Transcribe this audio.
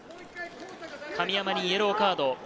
神山にイエローカード。